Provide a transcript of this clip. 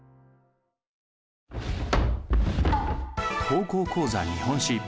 「高校講座日本史」。